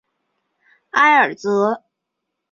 埃尔泽。